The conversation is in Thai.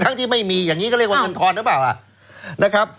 ทั้งที่ไม่มีอย่างนี้ก็เรียกว่าเงินทอนหรือเปล่า